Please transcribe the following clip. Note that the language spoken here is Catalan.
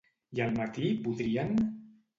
I al matí podrien?